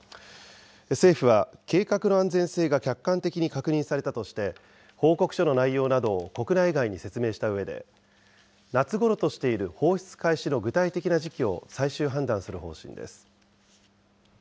政府は、計画の安全性が客観的に確認されたとして、報告書の内容などを国内外に説明したうえで、夏ごろとしている放出開始の具体的な時期を最終判断する方針です。